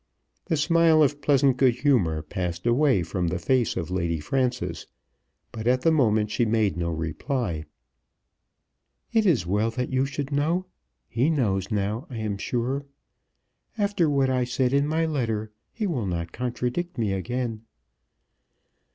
The smile of pleasant good humour passed away from the face of Lady Frances, but at the moment she made no reply. "It is well that you should know. He knows now, I am sure. After what I said in my letter he will not contradict me again."